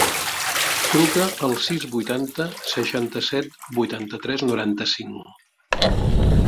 Truca al sis, vuitanta, seixanta-set, vuitanta-tres, noranta-cinc.